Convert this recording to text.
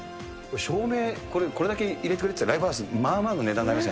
照明、これだけ入れてくれているライブハウス、まあまあの値段になりま